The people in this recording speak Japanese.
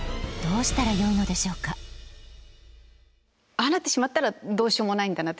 ああなってしまったらどうしようもないんだなって。